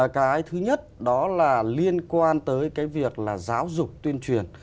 cái thứ nhất đó là liên quan tới cái việc là giáo dục tuyên truyền